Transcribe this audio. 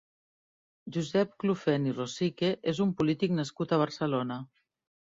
Josep Clofent i Rosique és un polític nascut a Barcelona.